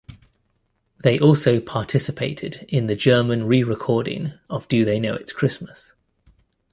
They also participated in the German re-recording of Do They Know It's Christmas?